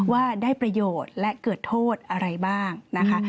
ว่าได้ประโยชน์และเกิดโทษอะไรบ้างนะคะ